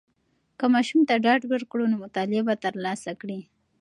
که ماشوم ته ډاډ ورکړو، نو مطالعه به تر لاسه کړي.